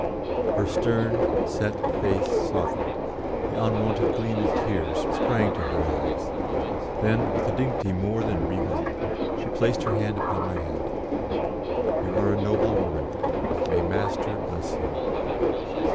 Her stern, set face softened, the unwonted gleam of tears sprang to her eyes; then, with a dignity more than regal, she placed her hand upon my head. "You are a noble woman. May Master bless you."